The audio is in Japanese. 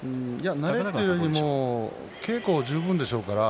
慣れというよりも稽古十分でしょうから。